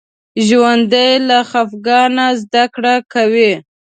ژوندي له خفګانه زده کړه کوي